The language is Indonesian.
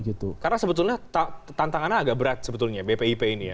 karena sebetulnya tantangannya agak berat sebetulnya bpip ini ya